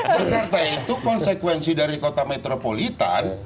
jakarta itu konsekuensi dari kota metropolitan